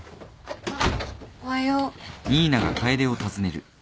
あっおはよう。